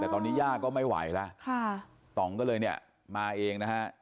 แต่ตอนนี้ย่าก็ไม่ไหวแล้วต่องก็เลยเนี่ยมาเองนะฮะ